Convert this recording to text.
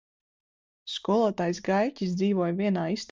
Skolotājs Gaiķis dzīvoja vienā istabiņā aiz mūsu klases.